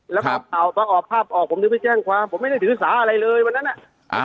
แล้วก็ข่าวตอนออกภาพออกผมถึงไปแจ้งความผมไม่ได้ถือสาอะไรเลยวันนั้นอ่ะ